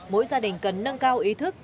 mỗi gia đình cần nâng cao ý thức